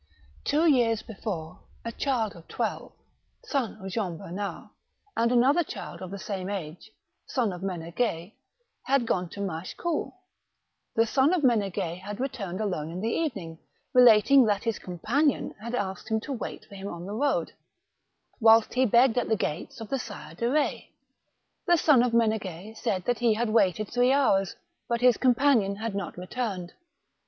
Two years before, a child of twelve, son of Jean Bernard, and another child of the same age, son of M6n6gue, had gone to Machecoul. The son of M6n6gu6 had returned alone in the evening, relating that his companion THE MABECHAL DE RETZ. 195 had asked him to wait for him on the road whilst he begged at the gates of the Sire de Betz. The son of M6negu6 said that he had waited three hours, but his companion had not returned.